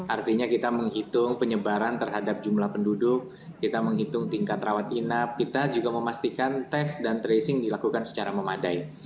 artinya kita menghitung penyebaran terhadap jumlah penduduk kita menghitung tingkat rawat inap kita juga memastikan tes dan tracing dilakukan secara memadai